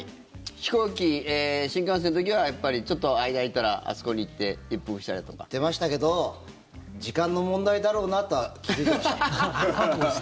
飛行機、新幹線の時はやっぱりちょっと間空いたら行ってましたけど時間の問題だろうなとは気付いてました。